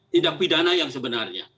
tindak pidana yang sebenarnya